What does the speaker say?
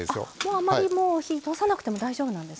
あまり火を通さなくても大丈夫なんですか。